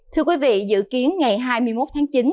thưa quý vị dự kiến ngày hai mươi một tháng chín